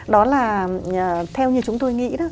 đó là theo như chúng tôi nghĩ đó